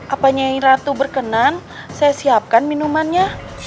apanya yang ratu berkenan saya siapkan minumannya